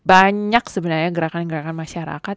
banyak sebenarnya gerakan gerakan masyarakat